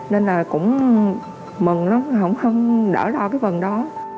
nên là cũng mừng lắm cũng không đỡ lo cái phần đó